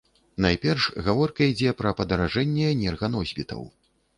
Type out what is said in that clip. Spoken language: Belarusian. Найперш, гаворка ідзе пра падаражэнне энерганосьбітаў.